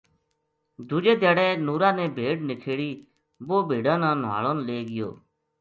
دُوجے دھیاڑے نُورا نے بھیڈ نکھیڑی وُہ بھیڈاں نا نُہالن لے گیو